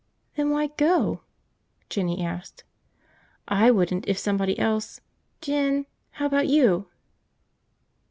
"Then why go?" Jinny asked. "I wouldn't if somebody else ... Jin! How about you?"